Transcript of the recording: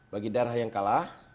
bagi daerah yang kalah